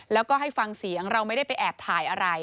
แล้วก็ให้ฟังเสียงเราไม่ได้ไปแอบถ่ายอะไร